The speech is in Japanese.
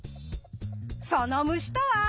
その虫とは？